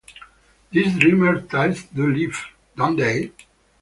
These dreamer types do live, don't they?